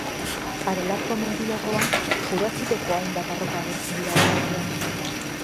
Aralarko Mendilerroan Jurasikoko hainbat arroka agertzen dira oinarrian.